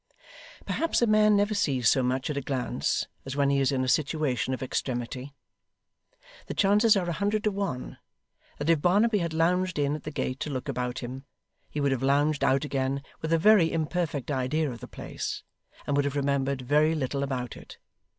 Perhaps a man never sees so much at a glance as when he is in a situation of extremity. The chances are a hundred to one, that if Barnaby had lounged in at the gate to look about him, he would have lounged out again with a very imperfect idea of the place, and would have remembered very little about it.